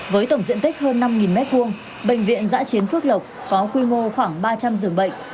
với tổng diện tích hơn năm m hai bệnh viện giã chiến phước lộc có quy mô khoảng ba trăm linh giường bệnh